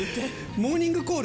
モーニングコール？